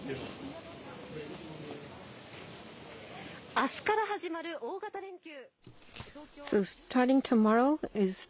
あすから始まる大型連休。